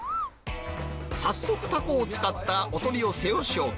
早速タコを使ったお取り寄せを紹介。